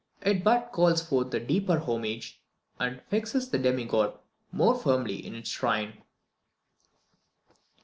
It but calls forth a deeper homage, and fixes the demigod more firmly in his shrine.